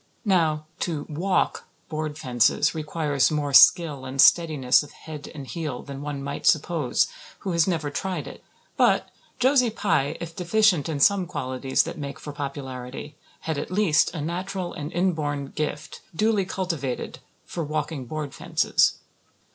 Now, to "walk" board fences requires more skill and steadiness of head and heel than one might suppose who has never tried it. But Josie Pye, if deficient in some qualities that make for popularity, had at least a natural and inborn gift, duly cultivated, for walking board fences.